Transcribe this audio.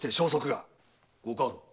ご家老。